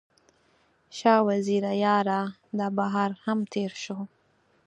شاه وزیره یاره، دا بهار هم تیر شو